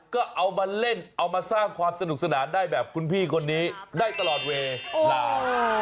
ก็เอามาเล่นเอามาสร้างความสนุกสนานได้แบบคุณพี่คนนี้ได้ตลอดเวลา